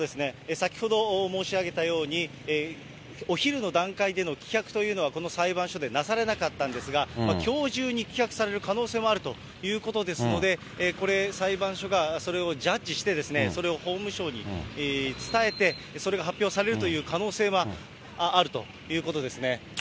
先ほど申し上げたように、お昼の段階での棄却というのは、この裁判所ではなされなかったんですが、きょう中に棄却される可能性もあるということですので、これ、裁判所がそれをジャッジして、それを法務省に伝えて、それが発表されるという可能性はあるということですね。